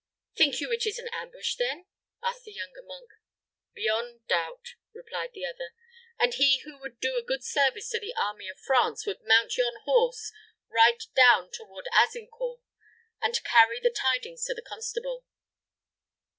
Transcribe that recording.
"Think you it is an ambush, then?" asked the younger monk. "Beyond doubt," replied the other; "and he who would do a good service to the army of France would mount yon horse, ride down toward Azincourt, and carry the tidings to the constable."